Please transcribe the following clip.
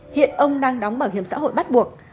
hiện ông đang đóng bảo hiểm xã hội bắt buộc